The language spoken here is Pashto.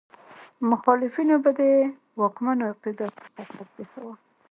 مخالفینو به د واکمنو اقتدار ته خطر پېښاوه.